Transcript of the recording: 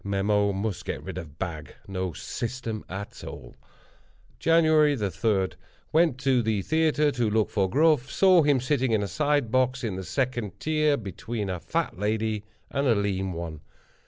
Mem—must get rid of Bag—no system at all. "Jan. 3.—Went to the theatre, to look for Gruff. Saw him sitting in a side box, in the second tier, between a fat lady and a lean one.